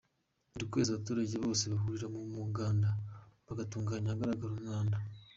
Buri kwezi abaturage bose bahurira mu muganda, bagatunganya ahagaragara umwanda.